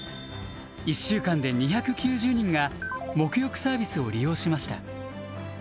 １週間で２９０人がもく浴サービスを利用しました。